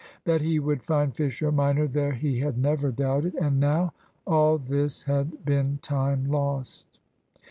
That he would find Fisher minor there he had never doubted; and now all this had been time lost.